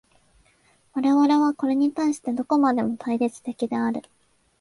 我々はこれに対してどこまでも対立的である。